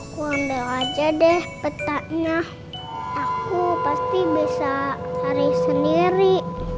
karena aku pasti bisa hari sendiri